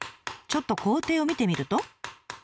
ちょっと工程を見てみると。